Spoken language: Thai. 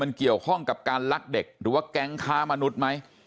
มันเกี่ยวข้องกับการลักเด็กหรือว่าแก๊งค้ามนุษย์ไหม